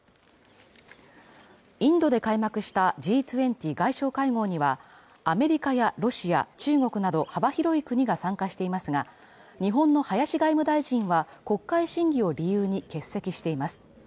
インドで開幕したＧ２０外相会合にはアメリカやロシア、中国など幅広い国が参加していますが、日本の林外務大臣は国会審議を理由に欠席しています。